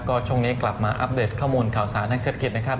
ก็ช่วงนี้กลับมาอัปเดตข้อมูลข่าวสารทางเศรษฐกิจนะครับ